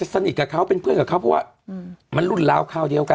ถูกเหมือนแม่มะนี่อ่ะ